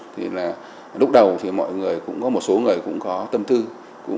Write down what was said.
thì là lúc đầu thì mọi người cũng có một số người cũng có tâm tư